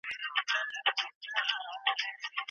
آیا د ممیزو خوندونه جلا دي؟.